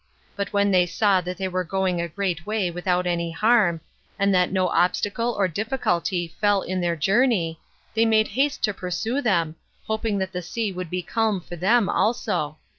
But when they saw that they were going a great way without any harm, and that no obstacle or difficulty fell in their journey, they made haste to pursue them, hoping that the sea would be calm for them also.